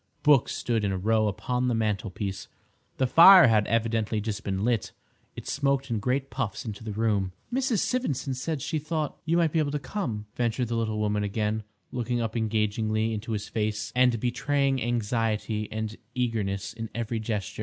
Books stood in a row upon the mantelpiece. The fire had evidently just been lit. It smoked in great puffs into the room. "Mrs. Sivendson said she thought you might be able to come," ventured the little woman again, looking up engagingly into his face and betraying anxiety and eagerness in every gesture.